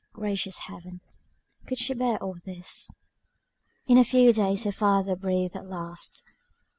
Gracious Heaven, could she bear all this. In a few days her father breathed his last.